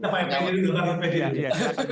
pak effendi dulu